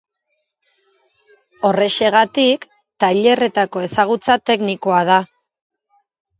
Horrexegatik, tailerretako ezagutza teknikoa da.